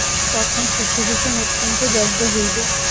তখন শশিভূষণ অত্যন্ত জব্দ হইবে।